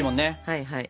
はいはい。